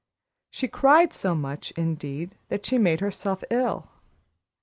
She cried so much, indeed, that she made herself ill.